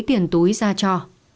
tiền túi ra cho